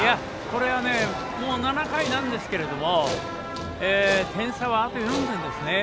これはもう７回なんですけれど点差は、あと４点ですね。